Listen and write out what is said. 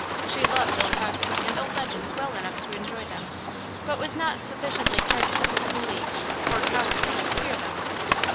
She loved old houses and old legends well enough to enjoy them; but was not sufficiently credulous to believe, or cowardly to fear, them.